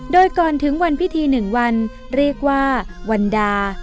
โดยก่อนถึงวันพิธี๑วันเรียกว่าวันดา